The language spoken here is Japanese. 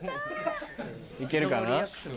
行けるかな？